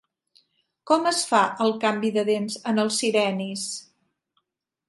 Com es fa el canvi de dents en els sirenis?